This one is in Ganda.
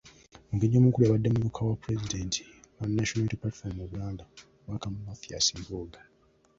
Omugenyi omukulu yabadde omumyuka wa Pulezidenti wa National Unity Platform mu Buganda, Omubaka Mathias Mpuuga.